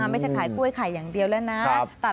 ไม่ใช่ขายกล้วยไข่อย่างเดียวแล้วนะ